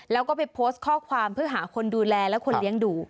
แล้วก็ไปโพสต์ข้อความเพื่อหาคนดูแลและคนเลี้ยงดู